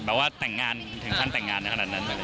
แบบว่าแต่งงานถึงท่านแต่งงานขนาดนั้น